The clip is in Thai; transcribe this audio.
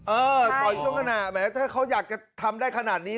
ปล่อยช่วงขณะแหมถ้าเขาอยากจะทำได้ขนาดนี้